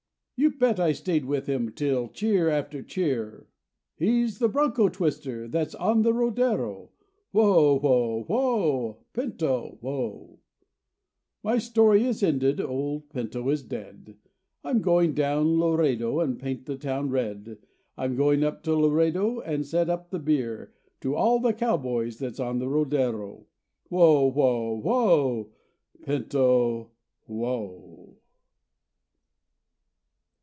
You bet I stayed with him till cheer after cheer, "He's the broncho twister that's on the rodero." Whoa! Whoa! Whoa! Pinto, whoa! My story is ended, old Pinto is dead; I'm going down Laredo and paint the town red. I'm going up to Laredo and set up the beer To all the cowboys that's on the rodero. Whoa! Whoa! Whoa! Pinto, whoa!